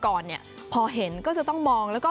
กลายเป็นประเพณีที่สืบทอดมาอย่างยาวนาน